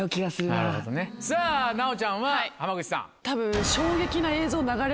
さぁ奈央ちゃんは浜口さん。